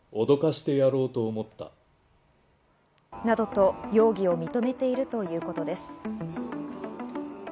などと容疑を認めているということです。